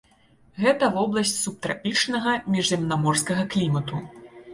Гэта вобласць субтрапічнага міжземнаморскага клімату.